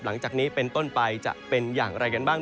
หลังจากนี้เป็นต้นไปจะเป็นอย่างไรกันบ้าง